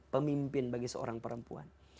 pemimpin bagi seorang perempuan